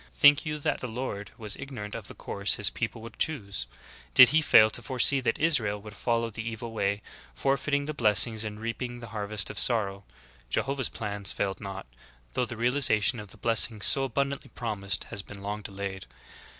Think you that the Lord was ignorant of the course His people would choose? Did He fail to foresee that Israel would follow the evil way, forfeiting the blessings and reaping the har vest of sorrow? Jehovah's plans failed not, though the realization of the blessings so abundantly promised has been long delayed.